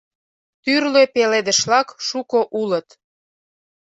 Тӱрлӧ пеледышлак шуко улыт